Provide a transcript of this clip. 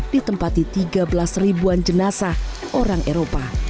ditempati tiga belas ribuan jenazah orang eropa